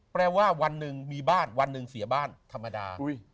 แปลว่าวันหนึ่งมีบ้านวันหนึ่งเสียบ้านธรรมดา